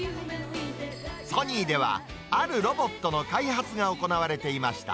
ソニーでは、あるロボットの開発が行われていました。